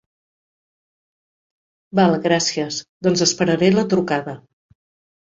Val, gràcies, doncs esperaré la trucada.